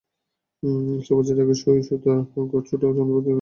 অস্ত্রোপচারের আগে সুই, সুতা, গজ, ছোট যন্ত্রপাতির তালিকা তৈরি করতে হয়।